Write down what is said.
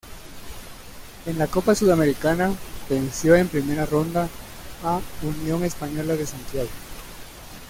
En la Copa Sudamericana, venció en primera ronda a Unión Española de Santiago.